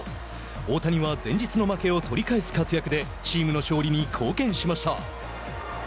大谷は前日の負けを取り返す活躍でチームの勝利に貢献しました。